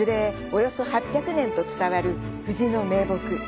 およそ８００年と伝わる藤の名木。